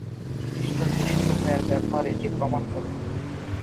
খ্রিস্ট যিশু রূপে এর ব্যবহার এটি প্রমাণ করে।